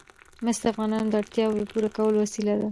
مس د افغانانو د اړتیاوو د پوره کولو وسیله ده.